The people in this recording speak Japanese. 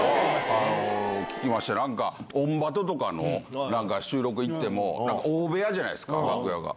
聞きまして、オンバトとかの収録行っても、大部屋じゃないですか、楽屋が。